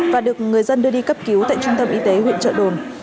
và được người dân đưa đi cấp cứu tại trung tâm y tế huyện trợ đồn